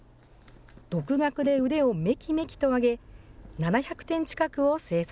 独学で腕をめきめきと上げ、７００点近くを制作。